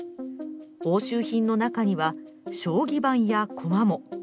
押収品の中には将棋盤や駒も。